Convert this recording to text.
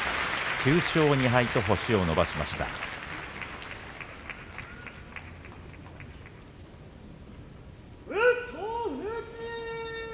９勝２敗と星を伸ばしました北勝富士。